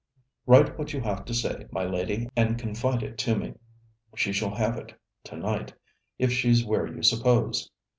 Write what you have to say, my lady, and confide it to me. She shall have it to night, if she's where you suppose.